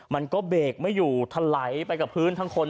มันก็เบรกไม่อยู่ทะไหลไปกับพื้นทั้งคน